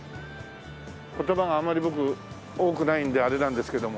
言葉があまり僕多くないのであれなんですけども。